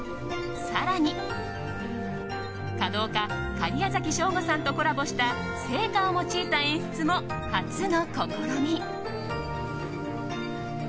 更に、華道家・假屋崎省吾さんとコラボした生花を用いた演出も初の試み。